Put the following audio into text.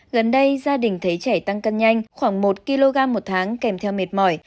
gần đây gia đình thấy trẻ tăng cân nhanh khoảng một kg một tháng kèm theo mệt mỏi